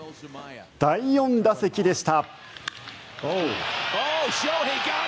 第４打席でした。